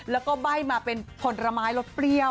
แล้วก็ใบ้มาเป็นผลไม้รสเปรี้ยว